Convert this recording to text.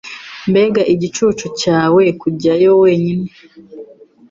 Mbega igicucu cyawe kujyayo wenyine!